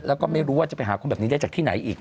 แล้วก็ไม่รู้ว่าจะไปหาคนแบบนี้ได้จากที่ไหนอีก